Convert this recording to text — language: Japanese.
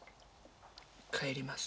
帰ります。